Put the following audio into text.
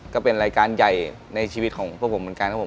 ก็เป็นรายการใหญ่ในชีวิตของพวกผมเหมือนกันครับผม